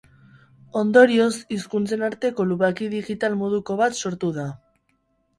Ondorioz, hizkuntzen arteko lubaki digital moduko bat sortu da.